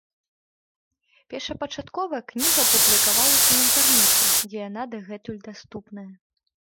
Першапачаткова кніга публікавалася ў інтэрнэце, дзе яна дагэтуль даступная.